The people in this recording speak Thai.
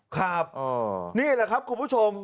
ครับนี่แหละครับคุณผู้ชม